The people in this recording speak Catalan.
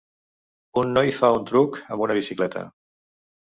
Un noi fa un truc amb una bicicleta.